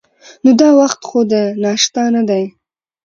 نو دا وخت خو د ناشتا نه دی.